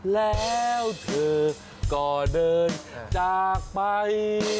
แล้วเธอก็เดินจากไป